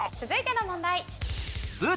続いての問題。